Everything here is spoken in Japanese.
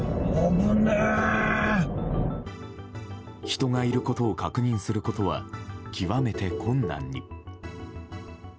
人がいることを確認することは極めて困難に。